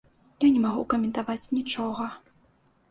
Я не магу каментаваць нічога.